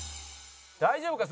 大丈夫か？